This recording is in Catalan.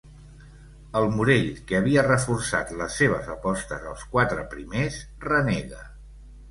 El Morell, que havia reforçat les seves apostes als quatre primers, renega.